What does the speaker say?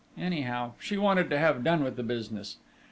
Anyhow, she wanted to have done with the business!